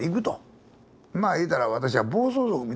まあ言うたら私は暴走族みたいなもんやな。